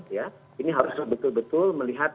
ya ini harus betul betul melihat